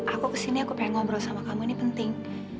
aku kesini aku pengen ngobrol sama kamu ini penting